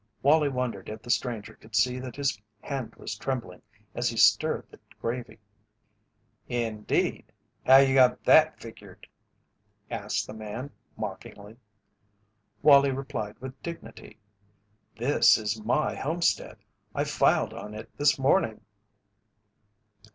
Wallie wondered if the stranger could see that his hand was trembling as he stirred the gravy. "Indeed! How you got that figgered?" asked the man, mockingly. Wallie replied with dignity: "This is my homestead; I filed on it this morning."